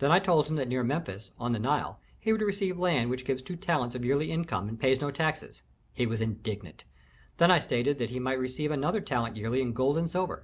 Then I told him that near Memphis, on the Nile, he would receive land which gives two talents of yearly income and pays no taxes. He was indignant. Then I stated that he might receive another talent yearly in gold and silver.